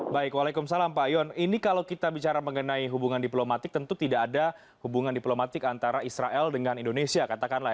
baik waalaikumsalam pak yon ini kalau kita bicara mengenai hubungan diplomatik tentu tidak ada hubungan diplomatik antara israel dengan indonesia katakanlah